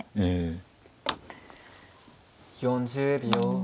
４０秒。